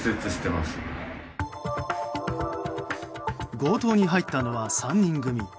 強盗に入ったのは３人組。